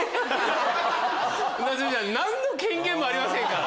何の権限もありませんから。